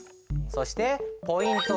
そしてポイント